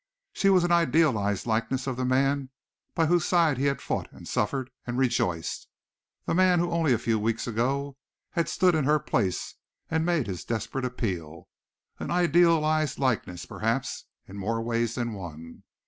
She was an idealized likeness of the man by whose side he had fought and suffered and rejoiced, the man who only a few weeks ago had stood in her place and made his desperate appeal, an idealized likeness, perhaps, in more ways than one.